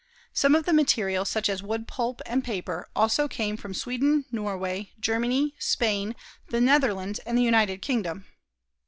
Some of the material, such as wood pulp and paper, also came from Sweden, Norway, Germany, Spain, the Netherlands and the United Kingdom.